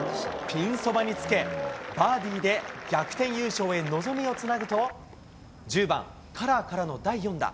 ピンそばにつけ、バーディーで逆転優勝へ望みをつなぐと、１０番、カラーからの第４打。